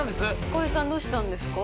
浩平さんどうしたんですか？